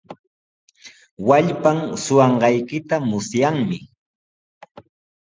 Wallpan suqanqaykita musyanmi.